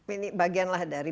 ini bagianlah dari